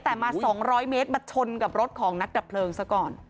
แต่มา๒๐๐เมตรมาชนกับรถของนักดับเพลิงซะก่อน